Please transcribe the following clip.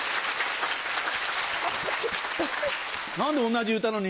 何で同じ歌なのに